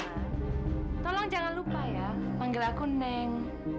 pak mama tolong jangan lupa ya panggil aku neng